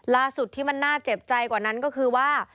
ล่าสุดที่มันน่าเจ็บใจกว่านั้นก็คือว่า